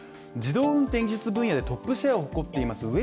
自動運転技術分野でトップシェアを誇っています